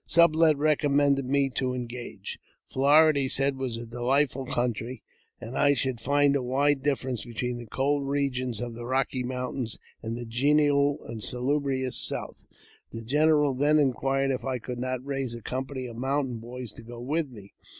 Sublet recommended me to engage. Florida, he said, was a dehghtful country, and I should find a wide difference between Be cold region of the Rocky Mountains and the genial and lubrious South. I i ■■r < 336 AUTOBIOGBAPHY OF The general then inquired if I could not raise a company of ; mountain boys to go with me.